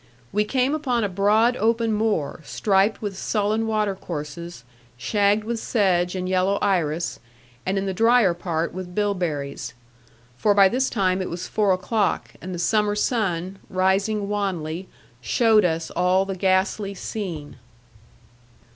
We came upon a broad open moor striped with sullen water courses, shagged with sedge, and yellow iris, and in the drier part with bilberries. For by this time it was four o'clock, and the summer sun, rising wanly, showed us all the ghastly scene.